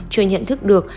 chưa nhận được